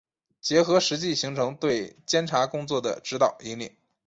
结合实际形成对检察工作的指导、引领